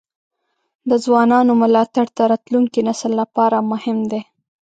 د ځوانانو ملاتړ د راتلونکي نسل لپاره مهم دی.